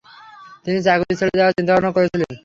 তিনি চাকুরী ছেড়ে দেয়ার চিন্তা-ভাবনা করছিলেন।